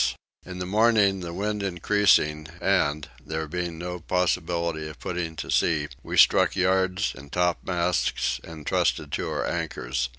In the morning the wind increasing and, there being no possibility of putting to sea, we struck yards and topmasts and trusted to our anchors.